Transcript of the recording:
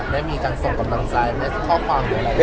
ได้มีการส่งกำลังใจได้ข้อความหรืออะไร